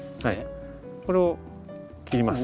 これを切ります。